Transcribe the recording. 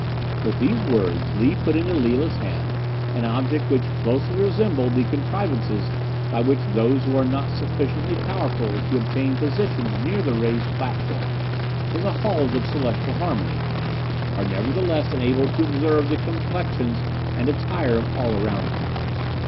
"With these words Lee put into Lila's hands an object which closely resembled the contrivances by which those who are not sufficiently powerful to obtain positions near the raised platform, in the Halls of Celestial Harmony, are nevertheless enabled to observe the complexions and attire of all around them.